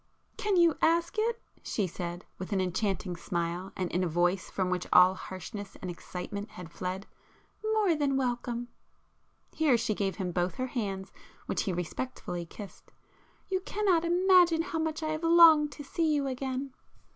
"Can you ask it!" she said, with an enchanting smile, and in a voice from which all harshness and excitement had fled; "More than welcome!" Here she gave him both her hands which he respectfully kissed. "You cannot imagine how much I have longed to see you again!"